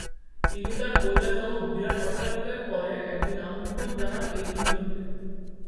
তিনি তার কৈলাস নামক বিরাট অট্টালিকায় পরে একদিন আমন্ত্রণ জানান এই তিনজনকে।